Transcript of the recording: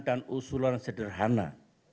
dan usulan sederhana